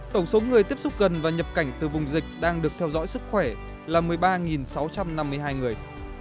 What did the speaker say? tổng số người tiếp xúc gần và nhập cảnh từ vùng dịch đang được theo dõi sức khỏe là một mươi ba sáu trăm năm mươi hai người